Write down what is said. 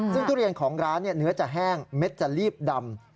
ซึ่งทุเรียนของร้านเนื้อจะแห้งเม็ดจะลีบดำ